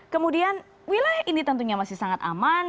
kemudian wilayah ini tentunya masih sangat aman